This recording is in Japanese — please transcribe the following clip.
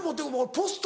ポスト！